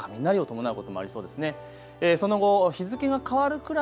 もちろん雷を伴うこともありそうです。